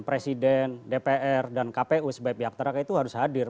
presiden dpr dan kpu sebagai pihak teraka itu harus hadir